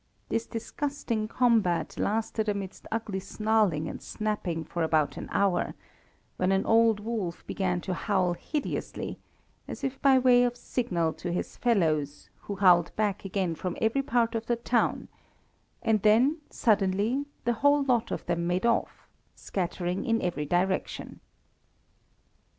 This disgusting combat lasted amidst ugly snarling and snapping for about an hour, when an old wolf began to howl hideously, as if by way of signal to his fellows, who howled back again from every part of the town, and then suddenly the whole lot of them made off, scattering in every direction.